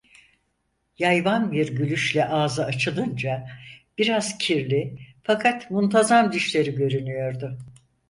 Yayvan bir gülüşle ağzı açılınca biraz kirli fakat muntazam dişleri görünüyordu.